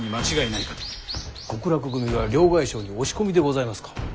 極楽組が両替商に押し込みでございますか？